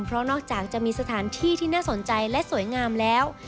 เพราะนอกจากจะมีสถานที่ที่น่าสนใจและสวยงามแล้ว